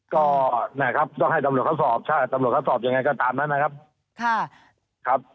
ก็นะครับต้องให้ตำรวจเขาสอบใช่ตำรวจเขาสอบยังไงก็ตามนั้นนะครับค่ะครับ